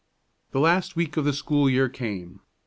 The last week of the school year came.